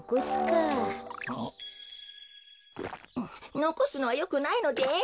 のこすのはよくないのです。